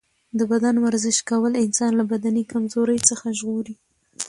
د بدن ورزش کول انسان له بدني کمزورۍ څخه ژغوري.